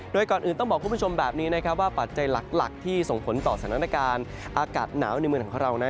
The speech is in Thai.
โดยก่อนอื่นต้องบอกคุณผู้ชมแบบนี้นะครับว่าปัจจัยหลักที่ส่งผลต่อสถานการณ์อากาศหนาวในเมืองของเรานั้น